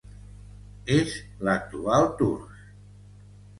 És l'actual Tours.